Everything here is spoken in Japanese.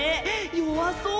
弱そう。